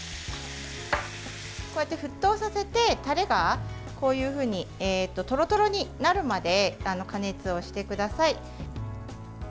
こうやって沸騰させてタレが、こういうふうにとろとろになるまで加熱をしてください。